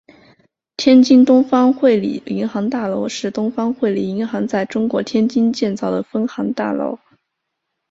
天津东方汇理银行大楼是东方汇理银行在中国天津建造的分行大楼。